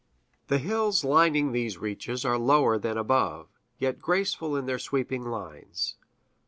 The hills lining these reaches are lower than above, yet graceful in their sweeping lines.